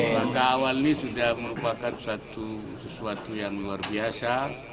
langkah awal ini sudah merupakan sesuatu yang luar biasa